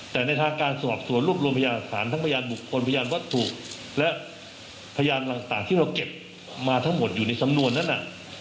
แต่ในทางการสอบสวนรวบรวมพยานหลักฐานทั้งพยานบุคคลพยานวัตถุและพยานต่างที่เราเก็บมาทั้งหมดอยู่ในสำนวนนั้นน่ะ